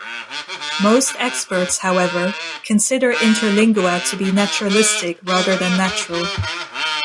Most experts, however, consider Interlingua to be naturalistic rather than natural.